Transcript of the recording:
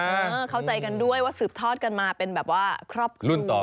เข้าใจกันด้วยว่าสืบทอดกันมาเป็นแบบว่าครอบครัวรุ่นต่อ